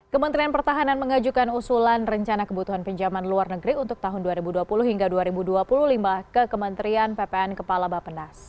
kementerian pertahanan mengajukan usulan rencana kebutuhan pinjaman luar negeri untuk tahun dua ribu dua puluh hingga dua ribu dua puluh lima ke kementerian ppn kepala bapenas